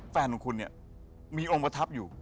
แฟนของคุณเนี่ยมีองค์ประทับอยู่